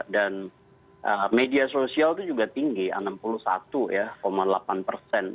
dan media sosial itu juga tinggi enam puluh satu delapan persen